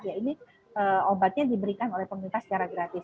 ya ini obatnya diberikan oleh pemerintah secara gratis